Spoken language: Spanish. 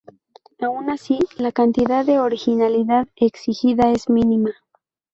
Aun así, la cantidad de originalidad exigida es mínima.